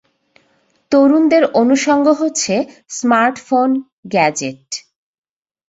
তরুণদের অনুষঙ্গ হচ্ছে স্মার্টফোন, গ্যাজেট।